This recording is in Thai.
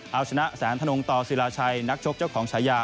เอาชนะแสนธนงต่อศิลาชัยนักชกเจ้าของฉายา